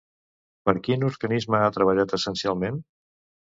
Per quin organisme ha treballat, essencialment?